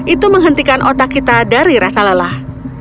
itu menghentikan otak kita dari rasa lelah